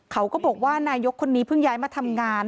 เขาก็บอกว่านายกคนนี้เพิ่งย้ายมาทำงาน